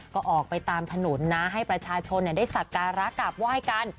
ก็ออกไปตามถนนนะให้ประชาชนได้สักการะกราบไหว้กัน